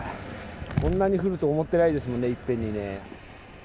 こんなに降ると思ってないですもんね、いっぺんにね。